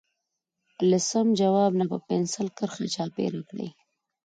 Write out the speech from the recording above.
له سم ځواب نه په پنسل کرښه چاپېره کړئ.